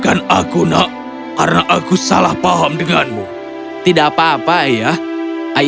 oh adikku maafkan aku juga karena aku berada di bawah mantra penyihir dan tidak tahu apa yang kulakukan